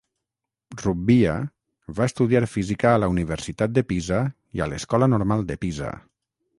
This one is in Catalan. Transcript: Rubbia va estudiar física a la Universitat de Pisa i a l'Escola Normal de Pisa.